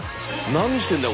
何してんだよ